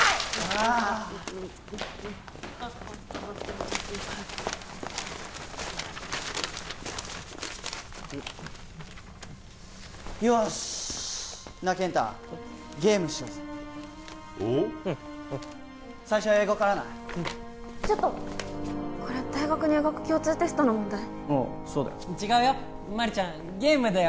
ああそうだよ違うよ麻里ちゃんゲームだよ